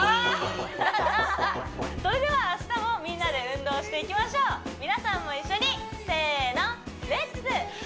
それでは明日もみんなで運動していきましょう皆さんも一緒にせーの「レッツ！